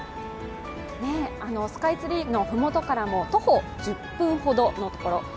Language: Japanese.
スカイツリーの麓からも徒歩１０分ほどのところです。